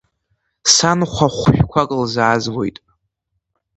Санхәа хәшәқәак лзаазгоит.